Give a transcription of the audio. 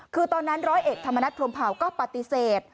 คือตอนนั้นร้อยเอกธรรมนัฐพรมเผาก็ปฏิเสธ